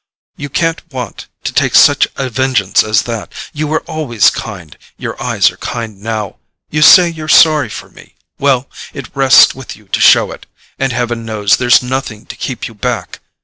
You can't want to take such a vengeance as that. You were always kind—your eyes are kind now. You say you're sorry for me. Well, it rests with you to show it; and heaven knows there's nothing to keep you back.